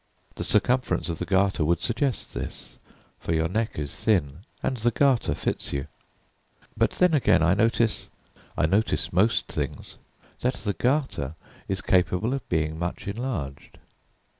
The circumference of the garter would suggest this, for your neck is thin, and the garter fits you. But then again I notice I notice most things that the garter is capable of being much enlarged.